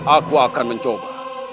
aku akan mencoba